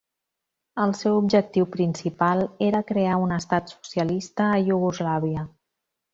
El seu objectiu principal era crear un estat Socialista a Iugoslàvia.